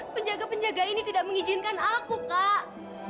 penjaga penjaga ini tidak mengizinkan aku kak